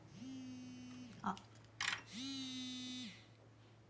あっ。